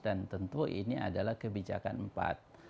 dan tentu ini adalah kebijakan empat